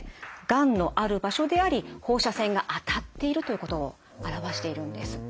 がんのある場所であり放射線が当たっているということを表しているんです。